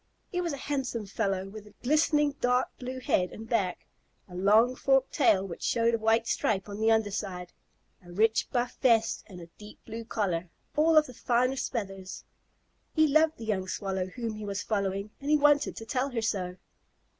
He was a handsome fellow, with a glistening dark blue head and back, a long forked tail which showed a white stripe on the under side, a rich buff vest, and a deep blue collar, all of the finest feathers. He loved the young Swallow whom he was following, and he wanted to tell her so.